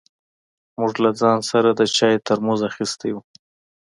موږ له ځان سره د چای ترموز اخيستی و.